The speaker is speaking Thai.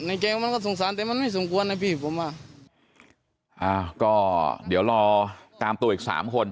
อ่าก็เดี๋ยวรอตามตัวอีกสามคน